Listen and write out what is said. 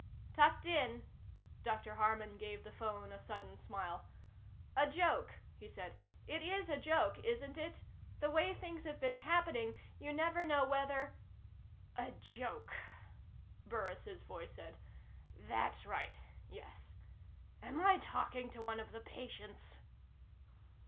"Tucked in?" Dr. Harman gave the phone a sudden smile. "A joke," he said. "It is a joke, isn't it? The way things have been happening, you never know whether " "A joke," Burris' voice said. "That's right. Yes. Am I talking to one of the patients?"